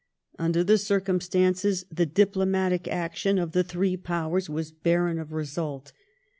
Under the circumstances, the diplomatic action of the three Powers was barren of result.